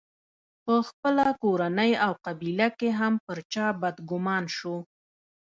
په خپله کورنۍ او قبیله کې هم پر چا بدګومان شو.